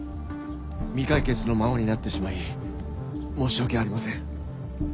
未解決のままになってしまい申し訳ありません